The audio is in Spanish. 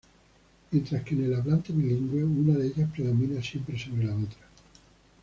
Mientras que en el hablante bilingüe una de ellas predomina siempre sobre la otra.